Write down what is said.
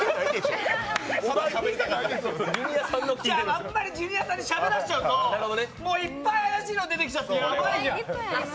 あんまりジュニアさんにしゃべらせちゃうともういっぱいあやしいの出てきちゃってヤバいじゃん。